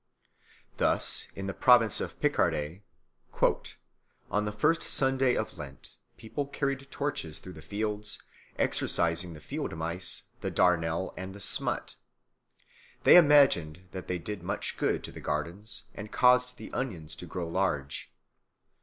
Thus in the province of Picardy "on the first Sunday of Lent people carried torches through the fields, exorcising the field mice, the darnel, and the smut. They imagined that they did much good to the gardens and caused the onions to grow large.